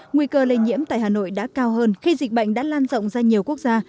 nguy cơ lây nhiễm tại hà nội đã cao hơn khi dịch bệnh đã lan rộng ra nhiều quốc gia